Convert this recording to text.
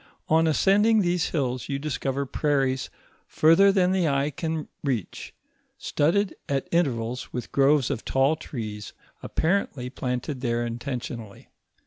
On ascending these hills, you discover prairies further than the eye can reach, studded at intervals, with groves of tall trees, appa rently planted there intentionally.